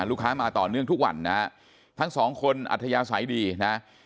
ลูกค้ามาต่อเนื่องทุกวันนะฮะทั้งสองคนอัธยาศัยดีนะ